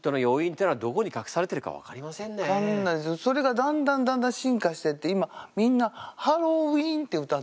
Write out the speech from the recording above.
それがだんだんだんだん進化してってみんな「ハローウィーン」って歌ってて。